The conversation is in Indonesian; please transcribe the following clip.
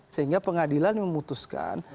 sehingga pengadilan memutuskan